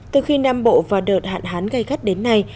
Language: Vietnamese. từ khi nam bộ vào đợt hạn hán gây gắt đến nay